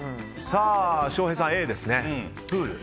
翔平さん、Ａですね。